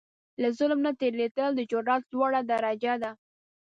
له ظلم نه تېرېدل، د جرئت لوړه درجه ده.